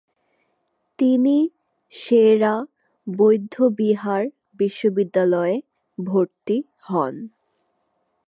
তিনি সে-রা বৌদ্ধবিহার বিশ্ববিদ্যালয়ে ভর্তি হন।